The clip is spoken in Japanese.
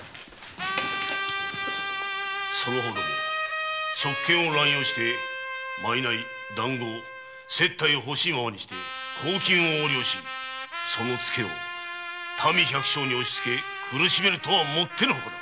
その方ども職権を乱用し賂談合接待をほしいままにして公金を横領しそのツケを民百姓に押しつけ苦しめるとはもってのほかだ！